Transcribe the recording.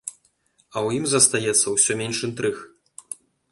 А ў ім застаецца ўсё менш інтрыг.